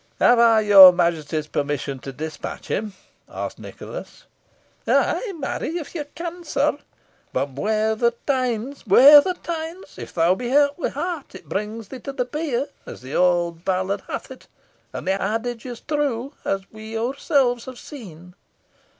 "Have I your Majesty's permission to despatch him?" asked Nicholas. "Ay, marry, if you can, sir," replied James. "But 'ware the tynes! 'ware the tynes! 'If thou be hurt with hart it brings thee to thy bier,' as the auld ballad hath it, and the adage is true, as we oursel's have seen."